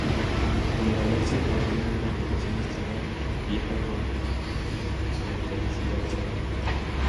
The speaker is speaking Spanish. En la galaxia predomina una población estelar vieja con metalicidad solar.